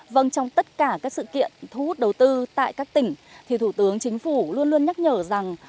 vâng trong tất cả các sự kiện thu hút đầu tư tại các tỉnh thì thủ tướng chính phủ luôn luôn nhắc nhở rằng